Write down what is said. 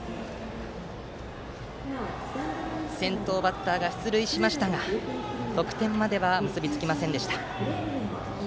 先頭バッターが出塁しましたが得点までは結び付きませんでした。